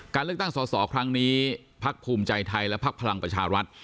การเลือกตั้งสอสอครั้งนี้พักภูมิใจไทยและพักพลังประชารัฐ